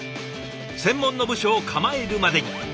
専門の部署を構えるまでに。